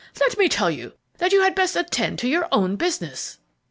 let me tell you that you had best attend to your own business!"